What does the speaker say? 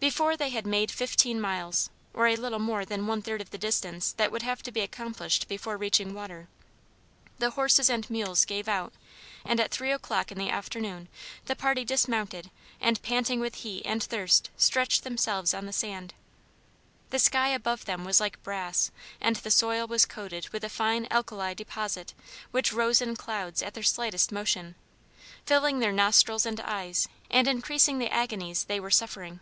Before they had made fifteen miles, or little more than one third of the distance that would have to be accomplished before reaching water, the horses and mules gave out and at three o'clock in the afternoon the party dismounted and panting with heat and thirst stretched themselves on the sand. The sky above them was like brass and the soil was coated with a fine alkali deposit which rose in clouds at their slightest motion, filling their nostrils and eyes, and increasing the agonies they were suffering.